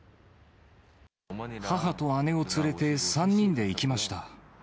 母と姉を連れて、３人で行きました。